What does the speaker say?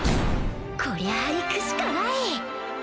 こりゃ行くしかない！